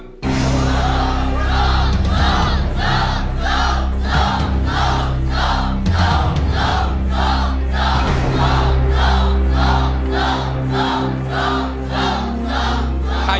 ขอบคุณครับ